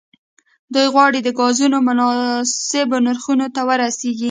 دوی غواړي د ګازو مناسبو نرخونو ته ورسیږي